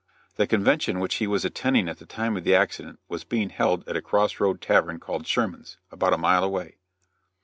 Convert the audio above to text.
The convention which he was attending at the time of the accident was being held at a cross road tavern called "Sherman's," about a mile away.